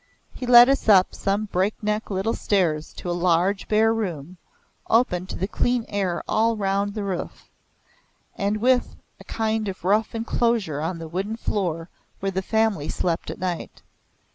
He led us up some break neck little stairs to a large bare room, open to the clean air all round the roof, and with a kind of rough enclosure on the wooden floor where the family slept at night.